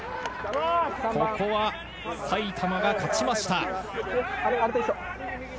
ここは埼玉が勝ちました。